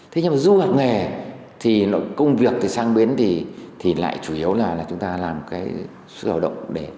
thế nhưng mà du học nghề thì công việc thì sang biến thì lại chủ yếu là chúng ta làm cái xuất khẩu lao động để